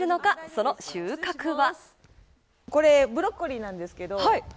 その収穫は。